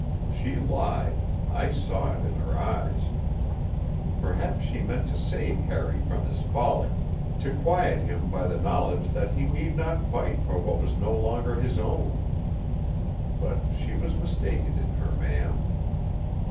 She lied I saw it in her eyes. Perhaps she meant to save Harry from his folly, to quiet him by the knowledge that he need not fight for what was no longer his own; but she was mistaken in her man.